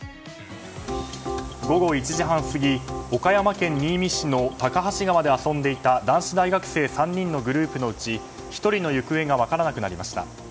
午後１時半過ぎ、岡山県新見市の高梁川で遊んでいた男子大学生３人のグループのうち１人の行方が分からなくなりました。